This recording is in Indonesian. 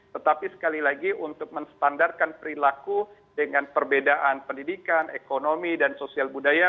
tetapi sekali lagi untuk menstandarkan perilaku dengan perbedaan pendidikan ekonomi dan sosial budaya